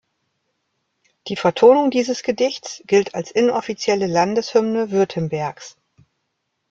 Die Vertonung dieses Gedichts gilt als inoffizielle Landeshymne Württembergs.